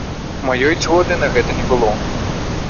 Маёй згоды на гэта не было.